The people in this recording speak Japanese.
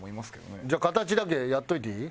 じゃあ形だけやっておいていい？